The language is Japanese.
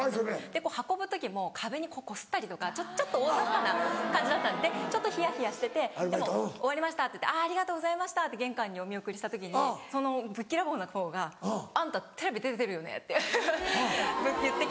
でこう運ぶ時も壁にこすったりとかちょっと大ざっぱな感じだったでちょっとひやひやしてて「終わりました」って言って「ありがとうございました」って玄関にお見送りした時にそのぶっきらぼうなほうが「あんたテレビ出てるよね」って言って来て。